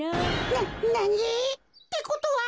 ななに？ってことは。